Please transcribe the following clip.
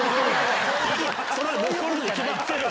そりゃ残るに決まってるわ！